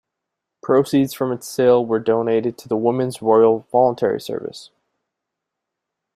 Proceeds from its sale were donated to the Women's Royal Voluntary Service.